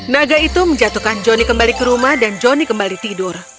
naga itu menjatuhkan johnny kembali ke rumah dan johnny kembali tidur